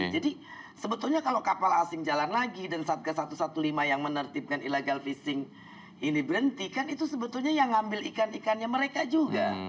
jadi sebetulnya kalau kapal asing jalan lagi dan satgas satu ratus lima belas yang menertibkan illegal fishing ini berhenti kan itu sebetulnya yang mengambil ikan ikannya mereka juga